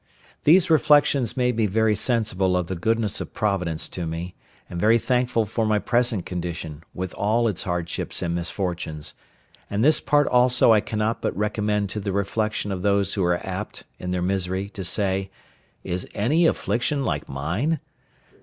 These reflections made me very sensible of the goodness of Providence to me, and very thankful for my present condition, with all its hardships and misfortunes; and this part also I cannot but recommend to the reflection of those who are apt, in their misery, to say, "Is any affliction like mine?"